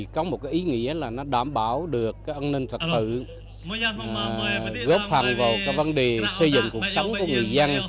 có một ý nghĩa là nó đảm bảo được an ninh thật tự góp phần vào cái vấn đề xây dựng cuộc sống của người dân